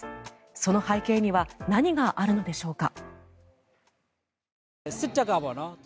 その背景には何があるのでしょうか。